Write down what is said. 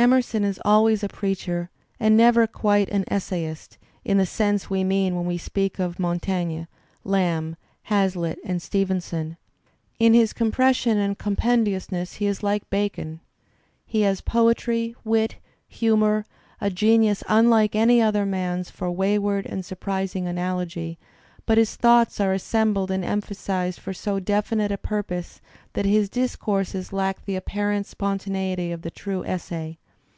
Emerson is always a preacher and never quite an essayist. Digitized by Google EMERSON 69 in the sense we mean when we speak of Montaigne, Lamb, Hazlitt, and Stevenson. In his compression and compendi ousness he is like Bacon. He has poetry, wit, humour, a genius unlike any other man's for wayward and surprising analogy, but his thoughts are assembled and emphasized for so definite a purpose that his discourses lack the apparent spontaneity of the true essay.